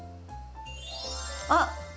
あっ！